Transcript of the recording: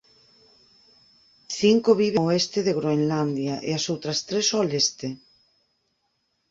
Cinco viven ao oeste de Groenlandia e as outras tres ao leste.